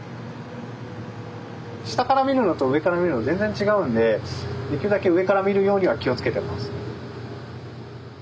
下から見るのと上から見るの全然違うんでできるだけ上から見るようには気を付けてます。